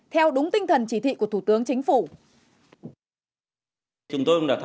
theo đúng tinh thần chỉ thị của thủ tướng chính phủ